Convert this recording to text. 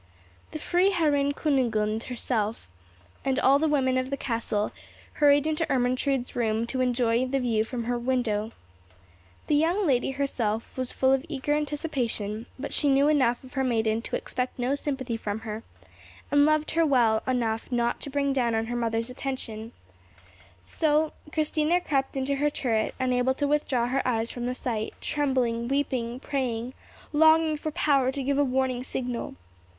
The Freiherrinn Kunigunde herself, and all the women of the castle, hurried into Ermentrude's room to enjoy the view from her window. The young lady herself was full of eager expectation, but she knew enough of her maiden to expect no sympathy from her, and loved her well enough not to bring down on her her mother's attention; so Christina crept into her turret, unable to withdraw her eyes from the sight, trembling, weeping, praying, longing for power to give a warning signal.